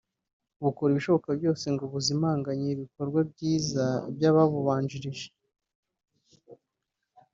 bukora ibishoboka byose ngo buzimanganye ibikorwa byiza by’ababubanjirije